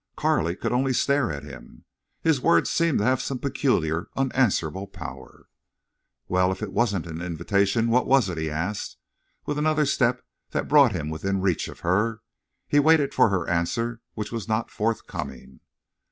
Carley could only stare at him. His words seemed to have some peculiar, unanswerable power. "Wal, if it wasn't an invitation, what was it?" he asked, with another step that brought him within reach of her. He waited for her answer, which was not forthcoming.